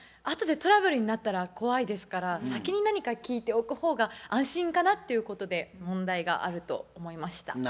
あ後でトラブルになったら怖いですから先に何か聞いておく方が安心かなっていうことで問題があると思いました。